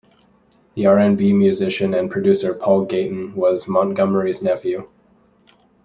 The R and B musician and producer Paul Gayten was Montgomery's nephew.